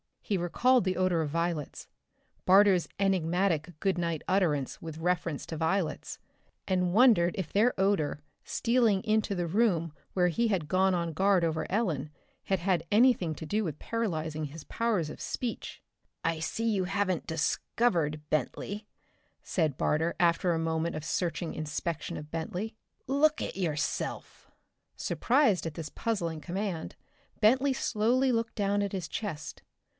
He recalled the odor of violets, Barter's enigmatic good night utterance with reference to violets, and wondered if their odor, stealing into the room where he had gone on guard over Ellen, had had anything to do with paralyzing his powers of speech. "I see you haven't discovered, Bentley," said Barter after a moment of searching inspection of Bentley. "Look at yourself!" Surprised at this puzzling command, Bentley slowly looked down at his chest.